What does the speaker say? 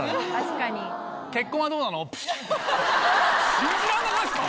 信じらんなくないですか？